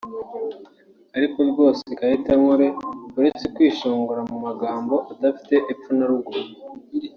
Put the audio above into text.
Kandi rwose Kayitenkore uretse kwishongora mu magambo adafite epfo na ruguru